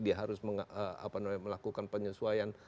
dia harus melakukan penyesuaian